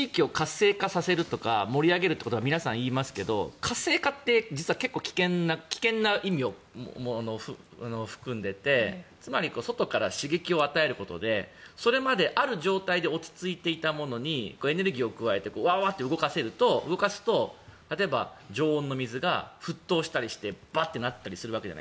地域を活性化させるとか盛り上げると皆さん言いますが活性化って結構危険な意味を含んでいてつまり外から刺激を与えることでそれまである状態で落ち着いていたものにエネルギーを加えてワワッと動かすと例えば常温の水が沸騰したりしてバッてなったりするわけです。